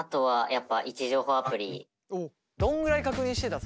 どんぐらい確認してた？